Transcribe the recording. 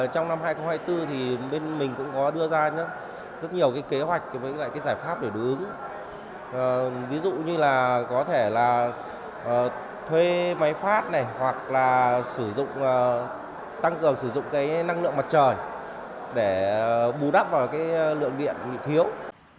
trong năm hai nghìn hai mươi bốn thì bên mình cũng có đưa ra rất nhiều kế hoạch và giải pháp để đối ứng ví dụ như là có thể là thuê máy phát hoặc là tăng cường sử dụng năng lượng mặt trời để bù đắp vào lượng điện thiếu